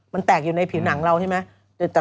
มันแตกอยู่ในผิวหนังเราใช่ไหม